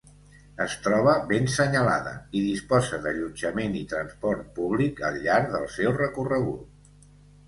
Es troba ben senyalada i disposa d'allotjament i transport públic al llarg del seu recorregut.